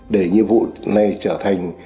để nhiệm vụ này trở thành